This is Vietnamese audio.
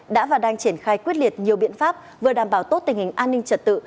đã và đang triển khai quyết liệt nhiều biện pháp vừa đảm bảo tốt tình hình an ninh trật tự